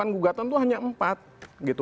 yang di gugatan tuh hanya empat gitu